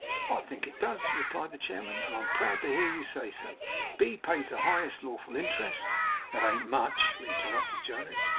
'I think it does,' replied the chairman, 'and I'm proud to hear you say so. B pays the highest lawful interest ' 'That an't much,' interrupted Jonas.